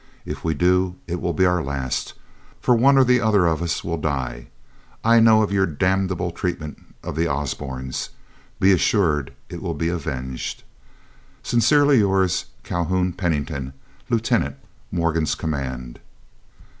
If we do, it will be our last, for one or the other of us will die. I know of your damnable treatment of the Osbornes. Be assured it will be avenged. Sincerely yours, CALHOUN PENNINGTON, Lieutenant, Morgan's Command.